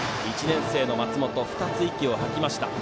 １年生の松本２つ息を吐きました。